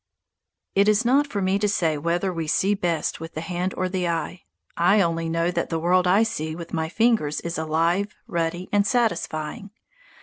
It is not for me to say whether we see best with the hand or the eye. I only know that the world I see with my fingers is alive, ruddy, and satisfying.